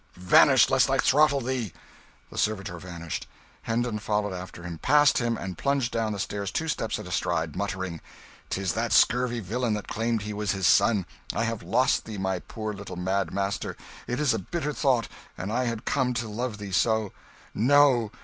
Vanish, lest I throttle thee!" The servitor vanished. Hendon followed after him, passed him, and plunged down the stairs two steps at a stride, muttering, "'Tis that scurvy villain that claimed he was his son. I have lost thee, my poor little mad master it is a bitter thought and I had come to love thee so! No!